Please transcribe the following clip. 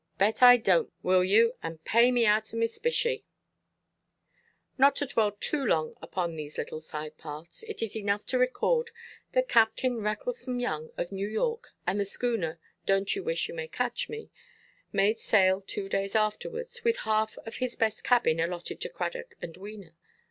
Bet, I donʼt, will yoo, and pay me out o' my spisshy?" Not to dwell too long upon these little side–paths, it is enough to record that Captain Recklesome Young, of New York, and the schooner, Donʼt you wish you may catch me, made sail two days afterwards, with half of his best cabin allotted to Cradock and to Wena.